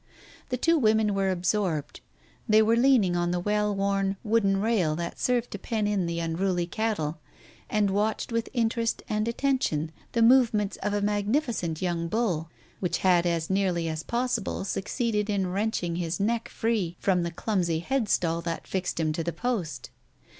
The two women were absorbed. They were leaning on the well worn wooden rail, which served to pen in the unruly cattle, and watched with interest and attention the movements of a magnificent young bull, which had as nearly as possible succeeded in wrenching his neck free from the clumsy headstall that fixed him to the post.